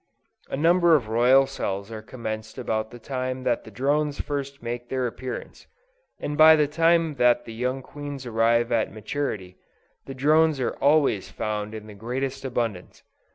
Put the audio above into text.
A number of royal cells are commenced about the time that the drones first make their appearance; and by the time that the young queens arrive at maturity, the drones are always found in the greatest abundance.